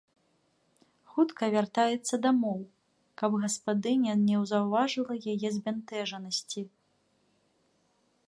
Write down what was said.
Хутка вяртаецца дамоў, каб гаспадыня не заўважыла яе збянтэжанасці.